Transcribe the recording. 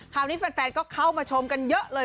คราวนี้แฟนก็เข้ามาชมกันเยอะเลย